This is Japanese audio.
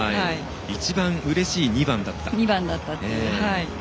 一番うれしい２番だったと。